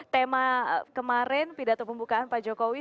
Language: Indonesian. tema kemarin pidato pembukaan pak jokowi